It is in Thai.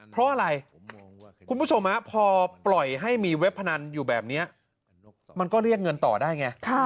เพราะอะไรคุณผู้ชมพอปล่อยให้มีเว็บพนันอยู่แบบนี้มันก็เรียกเงินต่อได้ไง